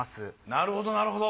なるほどなるほど。